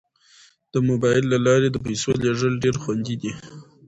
د موبایل له لارې د پيسو لیږل ډیر خوندي دي.